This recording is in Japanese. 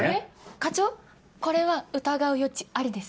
課長これは疑う余地ありです。